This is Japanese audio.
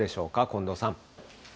近藤さん。